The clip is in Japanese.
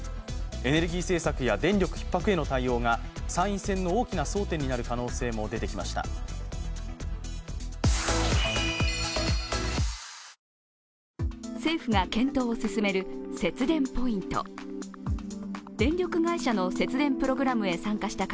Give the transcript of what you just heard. エネルギー政策や電力ひっ迫への対応が、参院選の大きな争点になる可能性も出てきました。